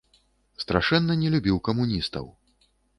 Страшэнна не любіў камуністаў.